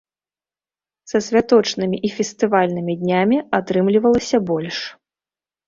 Са святочнымі і фестывальнымі днямі атрымлівалася больш.